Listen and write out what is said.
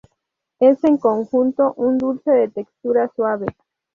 Es en conjunto un dulce de textura suave.